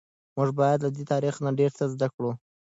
موږ باید له دې تاریخ نه ډیر څه زده کړو.